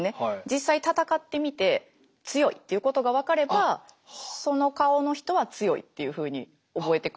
実際戦ってみて強いということが分かればその顔の人は強いっていうふうに覚えてくれるんです。